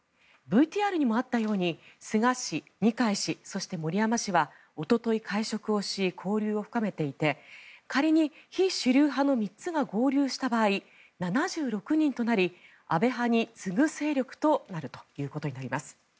ＶＴＲにもあったように菅氏、二階氏、そして森山氏はおととい会食をし交流を深めていて仮に非主流派の３つが合流した場合７６人となり安倍派に次ぐ勢力となるということになります。